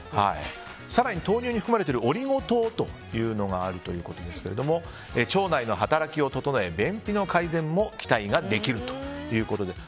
更に豆乳に含まれているオリゴ糖があるということですが腸内の働きを整え、便秘の改善も期待ができるということです。